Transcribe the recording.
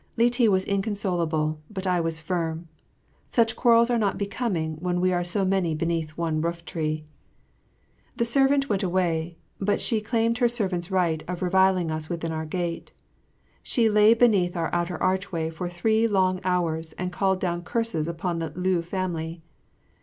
Li ti was inconsolable, but I was firm. Such quarrels are not becoming when we are so many beneath one rooftree. The servant went away, but she claimed her servant's right of reviling us within our gate. She lay beneath our outer archway for three long hours and called down curses upon the Liu family.